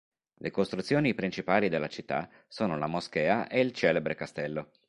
Le costruzioni principali della città sono la moschea e il celebre castello.